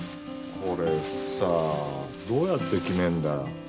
これさあどうやって決めるんだよ。